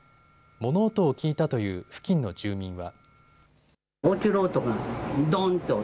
物音を聞いたという付近の住民は。